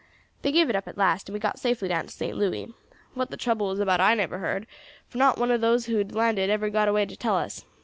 They gave it up at last, and we got safely down to St. Louis. What the trouble was about I never heard, for not one of those who had landed ever got away to tell us.